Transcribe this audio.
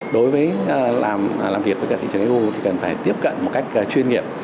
đối với làm việc với cả thị trường eu thì cần phải tiếp cận một cách chuyên nghiệp